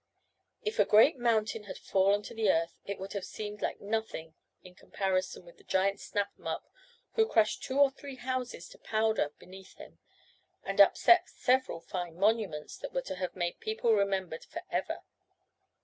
If a great mountain had fallen to the earth it would have seemed like nothing in comparison with the giant Snap em up, who crushed two or three houses to powder beneath him, and upset several fine monuments that were to have made people remembered for ever.